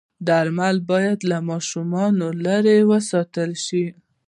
درمل باید له ماشومانو لرې وساتل شي.